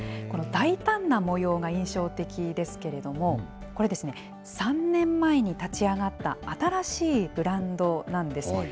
この大胆な模様が印象的ですけれども、これ、３年前に立ち上がった新しいブランドなんです。